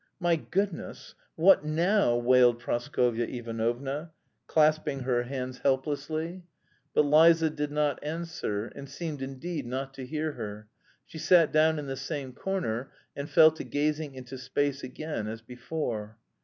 "My goodness! What now?" wailed Praskovya Ivanovna, clasping her hands helplessly. But Liza did not answer, and seemed indeed not to hear her; she sat down in the same corner and fell to gazing into space again as before.